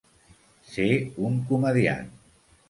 Ser un comediant.